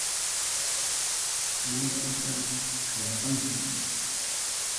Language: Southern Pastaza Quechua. ¿Maypita kawsanki?